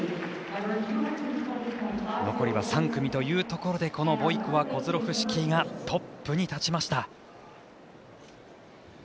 残りは３組というところでこのボイコワ、コズロフシキートップに立ちました。